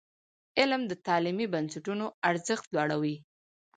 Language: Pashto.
علم د تعلیمي بنسټونو ارزښت لوړوي.